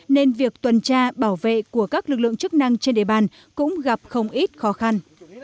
nên việc tuần tra bảo vệ của các lực lượng chức năng trên địa bàn cũng gặp không ít khó khăn